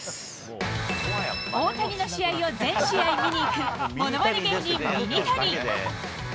大谷の試合を全試合見に行く、ものまね芸人、ミニタニ。